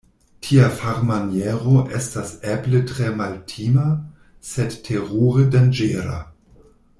Tia farmaniero estas eble tre maltima, sed terure danĝera.